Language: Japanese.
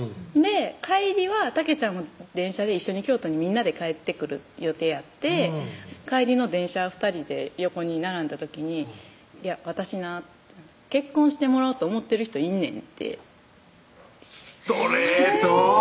帰りはたけちゃんも電車で一緒に京都にみんなで帰ってくる予定やって帰りの電車ふたりで横に並んだ時に「いや私な結婚してもらおうと思ってる人いんねん」ってストレート！